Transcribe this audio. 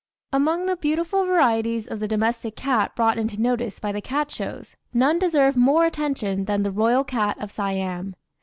Among the beautiful varieties of the domestic cat brought into notice by the cat shows, none deserve more attention than "The Royal Cat of Siam."